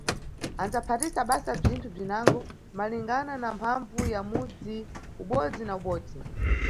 Andzaphatisa basa bzinthu bzinango malingana na mphambvu ya mudzi ubodzi na ubodzi.